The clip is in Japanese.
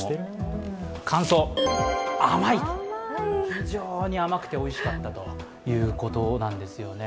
非常に甘くておいしかったということなんですよね。